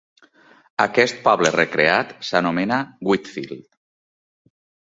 Aquest poble recreat s'anomena Wheatfield.